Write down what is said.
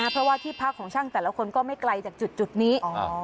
เพราะว่าที่พักของช่างแต่ละคนก็ไม่ไกลจากจุดนี้